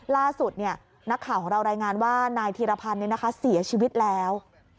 ล่าสุดนักข่าวของเรารายงานว่านายธีรพันธ์เสียชีวิตแล้ว